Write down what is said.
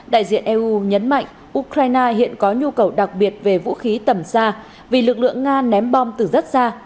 đại diện eu nhấn mạnh ukraine hiện có nhu cầu đặc biệt về vũ khí tầm xa vì lực lượng nga ném bom từ rất xa